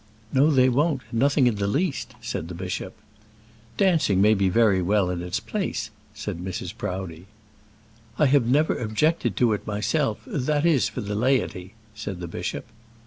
"No, they won't; nothing in the least," said the bishop. "Dancing may be very well in its place," said Mrs. Proudie. "I have never objected to it myself; that is, for the laity," said the bishop.